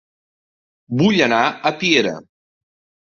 Vull anar a Piera